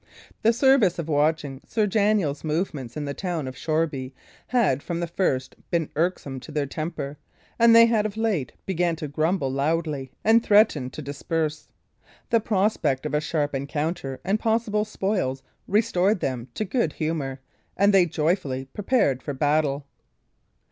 The service of watching Sir Daniel's movements in the town of Shoreby had from the first been irksome to their temper, and they had of late begun to grumble loudly and threaten to disperse. The prospect of a sharp encounter and possible spoils restored them to good humour, and they joyfully prepared for battle.